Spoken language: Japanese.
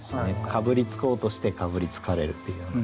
かぶりつこうとしてかぶりつかれるっていう。